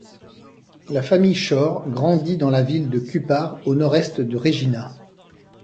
La famille Shore grandit dans la ville de Cupar au nord-est de Regina.